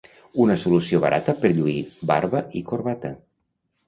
una solució barata per lluir barba i corbata